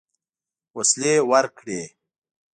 وسلې ورکړې.